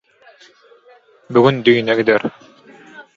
Bu gün düýne gider.